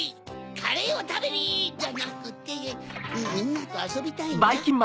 カレーをたべにじゃなくてみんなとあそびたいんだ。